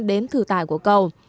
đến thử tải của cầu